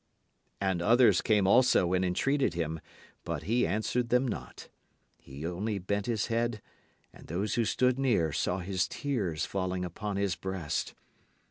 And others came also and entreated him. But he answered them not. He only bent his head; and those who stood near saw his tears falling upon his breast.